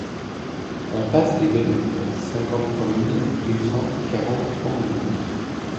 Impasse des Gonettes, cinquante-trois mille deux cent quarante Andouillé